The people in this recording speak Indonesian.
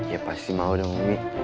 ya pasti mau dong ini